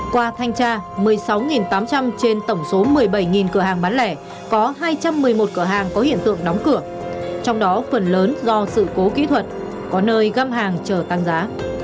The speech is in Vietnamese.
qua thanh tra một mươi sáu tám trăm linh trên tổng số một mươi bảy cửa hàng bán lẻ có hai trăm một mươi một cửa hàng có hiện tượng đóng cửa trong đó phần lớn do sự cố kỹ thuật có nơi găm hàng chờ tăng giá